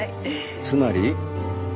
つまり。